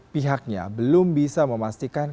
pihaknya belum bisa memastikan